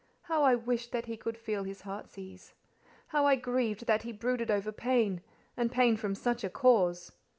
How I wished that he could feel heart's ease! How I grieved that he brooded over pain, and pain from such a cause!